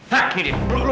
hah ini dia